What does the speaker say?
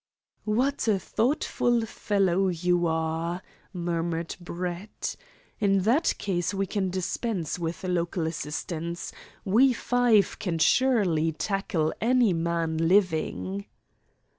"What a thoughtful fellow you are," murmured Brett. "In that case we can dispense with local assistance. We five can surely tackle any man living."